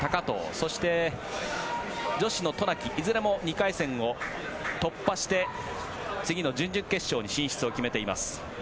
そして、女子の渡名喜いずれも２回戦を突破して次の準々決勝に進出を決めています。